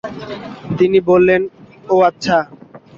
তিনি বললেন, ও আচ্ছা।